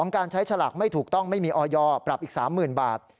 การใช้ฉลากไม่ถูกต้องไม่มีออยปรับอีก๓๐๐๐บาท